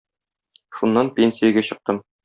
Шуннан пенсиягә чыктым.